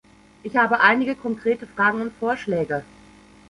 Ich habe einige konkrete Fragen und Vorschläge.